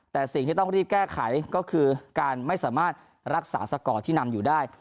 แต่สิ่งที่ต้องรีบแก้ไขก็คือการไม่สามารถรักษาสกอร์ที่นำอยู่ได้